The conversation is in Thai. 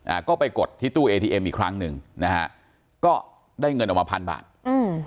อ่าก็ไปกดที่ตู้เอทีเอ็มอีกครั้งหนึ่งนะฮะก็ได้เงินออกมาพันบาทอืม